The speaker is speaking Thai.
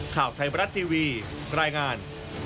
ข่าวไทยบรัฐทีวีรายงาน